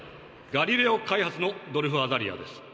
ガリレオ開発のドルフ・アザリアです。